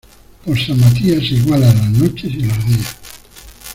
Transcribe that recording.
Por San Matías se igualan las noches y los días.